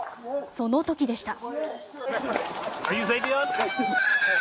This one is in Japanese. その時でした。